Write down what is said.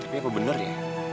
tapi apa bener ya